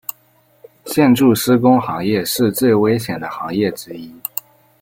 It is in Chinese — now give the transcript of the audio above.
建筑施工行业是最危险的行业之一。